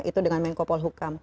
itu dengan menko polhukam